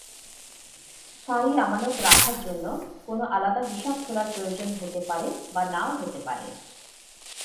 স্থায়ী আমানত রাখার জন্য কোন আলাদা হিসাব খোলার প্রয়োজন হতে পারে বা নাও হতে পারে।